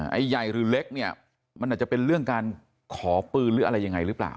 อ่าไอ้ใหญ่หรือเล็กเนี่ยมันอาจจะเป็นการขอปืนหรืออะไรอย่างไรรึเปล่า